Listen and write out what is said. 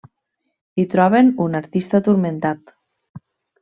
Hi troben un artista turmentat.